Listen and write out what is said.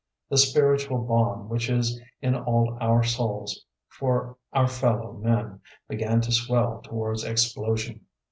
The spiritual bomb, which is in all our souls for our fellow men, began to swell towards explosion.